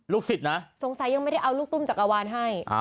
สิทธิ์นะสงสัยยังไม่ได้เอาลูกตุ้มจักรวาลให้